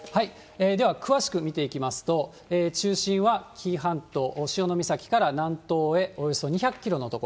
では、詳しく見ていきますと、中心は紀伊半島、潮岬から南東へおよそ２００キロの所。